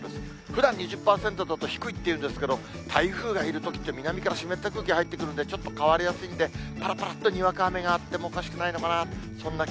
ふだん２０％だと低いって言うんですけど、台風がいるときって、南から湿った空気入ってくるんで、ちょっと変わりやすいんで、ぱらぱらっとにわか雨があってもおかしくないのかな？